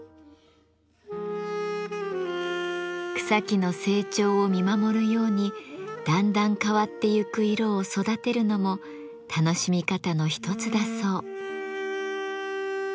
草木の成長を見守るようにだんだん変わってゆく色を育てるのも楽しみ方の一つだそう。